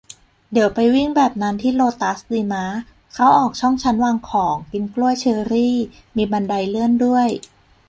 เดี๋ยวไปวิ่งแบบนั้นที่โลตัสดีมะ ? เข้าออกช่องชั้นวางของ กินกล้วย เชอรี่ มีบันไดเลื่อนด้วย